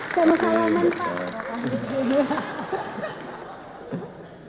terima kasih banyak pak jokowi